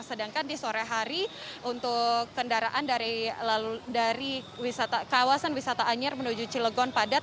sedangkan di sore hari untuk kendaraan dari kawasan wisata anyer menuju cilegon padat